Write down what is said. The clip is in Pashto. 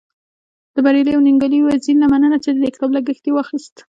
د بريالي او ننګيالي وزيري نه مننه چی د دې کتاب لګښت يې واخست.